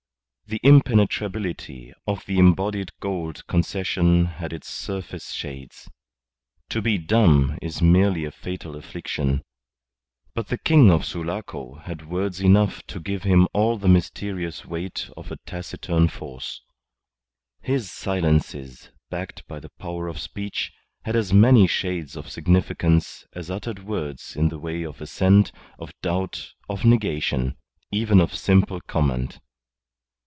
The impenetrability of the embodied Gould Concession had its surface shades. To be dumb is merely a fatal affliction; but the King of Sulaco had words enough to give him all the mysterious weight of a taciturn force. His silences, backed by the power of speech, had as many shades of significance as uttered words in the way of assent, of doubt, of negation even of simple comment.